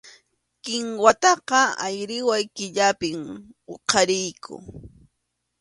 Kinwataqa ayriway killapim huqariyku.